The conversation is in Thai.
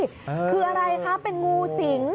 คืออะไรคะเป็นงูสิง